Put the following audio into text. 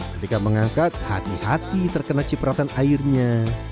ketika mengangkat hati hati terkena cipratan airnya